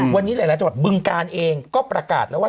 วันนี้หลายจังหวัดบึงการเองก็ประกาศแล้วว่า